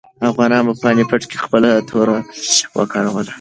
افغانانو په پاني پت کې خپله توره وکاروله.